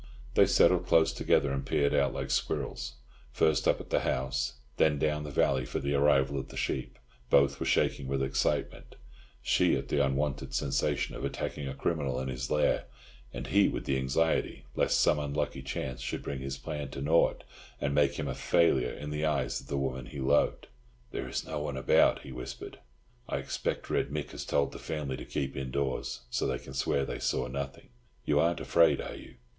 They settled close together and peered out like squirrels, first up at the house, then down the valley for the arrival of the sheep. Both were shaking with excitement—she at the unwonted sensation of attacking a criminal in his lair, and he with anxiety lest some unlucky chance should bring his plan to nought, and make him a failure in the eyes of the woman he loved. "There is no one about," he whispered. "I expect Red Mick has told the family to keep indoors, so that they can swear they saw nothing. You aren't afraid, are you?"